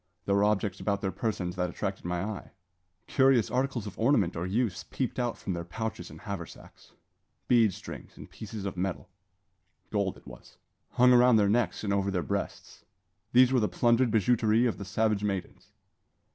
There were objects about their persons that attracted my eye. Curious articles of ornament or use peeped out from their pouches and haversacks bead strings and pieces of shining metal gold it was hung around their necks and over their breasts. These were the plundered bijouterie of the savage maidens.